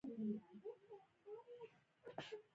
په پایله کې کارخانه لرونکي کارونه ځنډوي